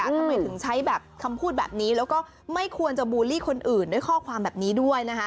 ทำไมถึงใช้แบบคำพูดแบบนี้แล้วก็ไม่ควรจะบูลลี่คนอื่นด้วยข้อความแบบนี้ด้วยนะคะ